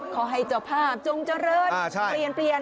ขอให้จะภาพจงเจริญ